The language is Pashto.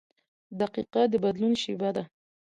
• دقیقه د بدلون شیبه ده.